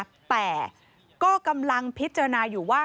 แต่ก็กำลังพิจารณาอยู่ว่า